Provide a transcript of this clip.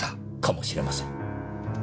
かもしれません。